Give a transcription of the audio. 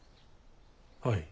はい。